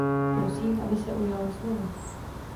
Prosím, aby se ujala slova.